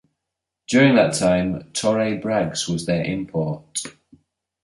During that time, Torraye Braggs was their import.